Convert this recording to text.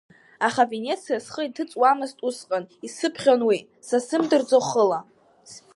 Аха Венециа схы иҭыҵуамызт усҟан, исыԥхьон уи, сазымдырӡо хыла…